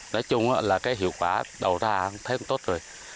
nói chung là cái hiệu quả đầu ra thấy cũng tốt rồi